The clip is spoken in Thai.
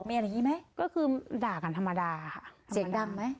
มีอะไรอย่างงี้ไหมก็คือด่ากันธรรมดาค่ะเสียงดังไหม